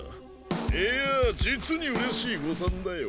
いや実にうれしい誤算だよ。